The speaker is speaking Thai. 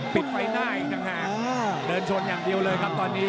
ปิดไฟหน้าอีกต่างหากเดินชนอย่างเดียวเลยครับตอนนี้